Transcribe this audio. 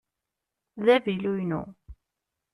D avilu-inu.